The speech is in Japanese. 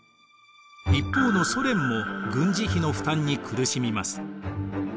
一方のソ連も軍事費の負担に苦しみます。